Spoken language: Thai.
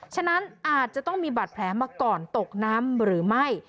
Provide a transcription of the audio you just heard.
ฉะนั้นอาจจะต้องมีบาดแผลมาก่อนตกน้ำหรือไม่